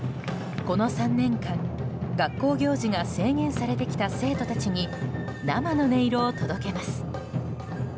この３年間、学校行事が制限されてきた生徒たちに生の音色を届けます。